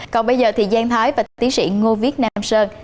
còn bây giờ thì giang thái và tiến sĩ ngô viết nam sơn